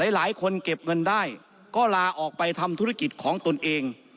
หลายคนเก็บเงินได้ก็ลาออกไปทำธุรกิจของตนเอง